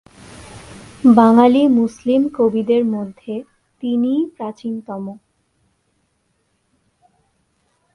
বাঙালি মুসলিম কবিদের মধ্যে তিনিই প্রাচীনতম।